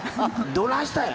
どないしたんや？